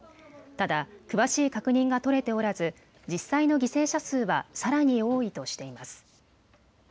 ただ、詳しい確認が取れておらず実際の犠牲者数はさらに多いとしています。